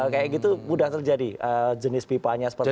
kayak gitu mudah terjadi jenis pipanya seperti itu